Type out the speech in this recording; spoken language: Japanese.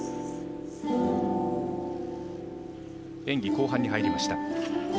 演技後半に入りました。